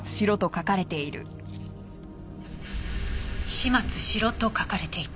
「始末しろ」と書かれていた。